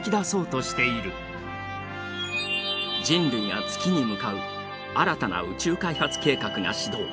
人類が月に向かう新たな宇宙開発計画が始動。